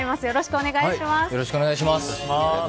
よろしくお願いします。